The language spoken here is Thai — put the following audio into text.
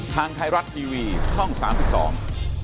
ทางไทยรัฐทีวีช่องสามสิบสอง